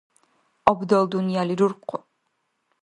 Абдал дунъяли руркъу.